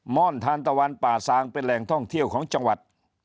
่อนทานตะวันป่าซางเป็นแหล่งท่องเที่ยวของจังหวัด